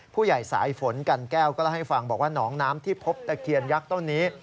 ผู้ใหญ่สายฝนกันแก้วก็เล่าให้ฟังบอกว่าหนองน้ำที่พบตะเคียนยักษ์ต้นนี้